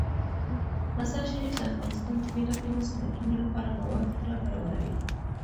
مزارشریف د افغانستان د بیلابیلو صنعتونو لپاره مواد پوره برابروي.